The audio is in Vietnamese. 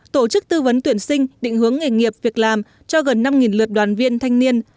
tổ chức tư vấn tuyển sinh định hướng nghề nghiệp việc làm cho gần năm lượt đoàn viên thanh niên